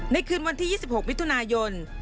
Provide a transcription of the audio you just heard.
ในคืนวันที่๒๖วิทยุนายน